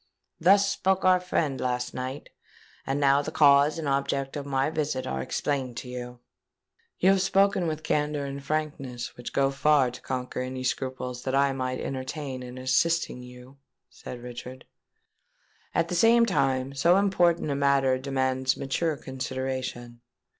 '—Thus spoke our friend last night; and now the cause and object of my visit are explained to you." "You have spoken with a candour and frankness which go far to conquer any scruples that I might entertain in assisting you," said Richard. "At the same time, so important a matter demands mature consideration.